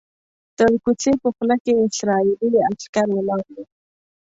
د کوڅې په خوله کې اسرائیلي عسکر ولاړ وو.